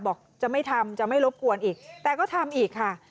บอกจะไม่ทำจะไม่รบกวนอีกแต่ก็ทำอีกค่ะ